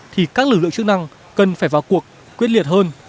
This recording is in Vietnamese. thì các lực lượng chức năng cần phải vào cuộc quyết liệt hơn